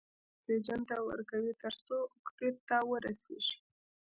یو الکترون اکسیجن ته ورکوي تر څو اوکتیت ته ورسیږي.